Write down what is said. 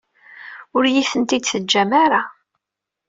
Ur iyi-tent-id-teǧǧam ara.